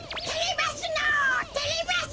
てれます